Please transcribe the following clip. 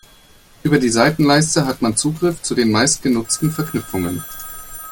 Über die Seitenleiste hat man Zugriff zu den meistgenutzten Verknüpfungen.